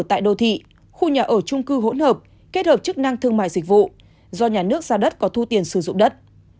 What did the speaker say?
tại đô thị khu nhà ở trung cư hỗn hợp kết hợp chức năng thương mại dịch vụ do nhà nước giao đất có thu tiền sử dụng đất